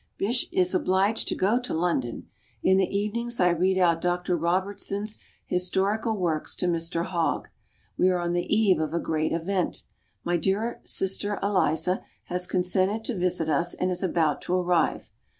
Bysshe is obliged to go to London. In the evenings I read out Dr Robertson's historical works to Mr Hogg. We are on the eve of a great event. My dear sister Eliza has consented to visit us and is about to arrive.